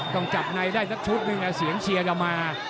ต้องจับในได้สักชุดหนึ่งเสียงเชียร์จะมา